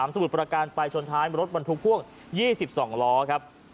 สมุทรประการไปชนท้ายรถบรรทุกพ่วง๒๒ล้อครับ